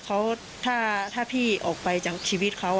เขาถ้าพี่ออกไปจากชีวิตเขา